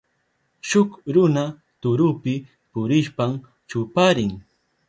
Shuk runa turupi purishpan chuparin.